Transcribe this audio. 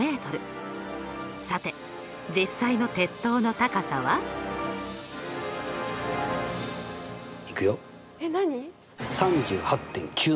さて実際の鉄塔の高さは？いくよ。